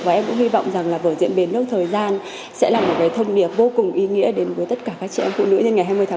và em cũng hy vọng rằng là vở diễn bến nước thời gian sẽ là một cái thông điệp vô cùng ý nghĩa đến với tất cả các trẻ